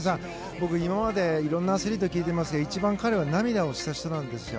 僕、今まで色んなアスリート聞いていますが一番彼は涙をした人なんですよ。